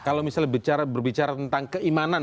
kalau misalnya berbicara tentang keimanan